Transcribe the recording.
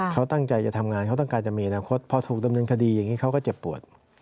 เขาตั้งใจจะทำงานเขาต้องการจะมีอนาคตพอถูกดำเนินคดีอย่างนี้เขาก็เจ็บปวด